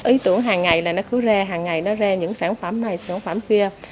ý tưởng hàng ngày là nó cứ ra hàng ngày nó ra những sản phẩm này sản phẩm kia